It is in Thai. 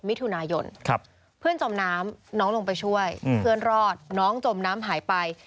มิถุนายนเพื่อนจมน้ำน้องลงไปช่วยเพื่อนรอดน้องจมน้ำหายไป